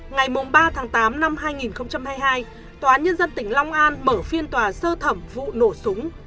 ngày ba tháng tám năm hai nghìn hai mươi hai tòa án nhân dân tỉnh long an mở phiên tòa sơ thẩm vụ nổ súng